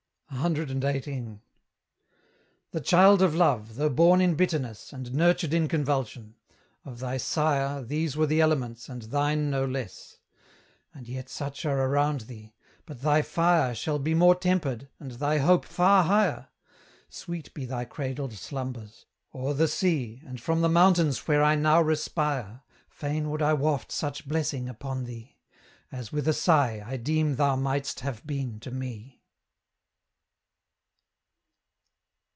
CXVIII. The child of love, though born in bitterness, And nurtured in convulsion. Of thy sire These were the elements, and thine no less. As yet such are around thee; but thy fire Shall be more tempered, and thy hope far higher. Sweet be thy cradled slumbers! O'er the sea, And from the mountains where I now respire, Fain would I waft such blessing upon thee, As, with a sigh, I deem thou mightst have been to me!